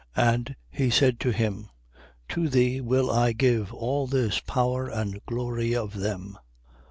4:6. And he said to him: To thee will I give all this power and the glory of them.